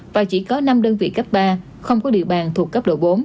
và chỉ có năm đơn vị cấp ba không có địa bàn thuộc cấp độ bốn